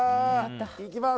行きます！